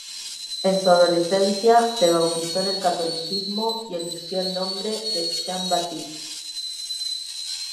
En su adolescencia se bautizó en el catolicismo y eligió el nombre de Jean-Baptiste.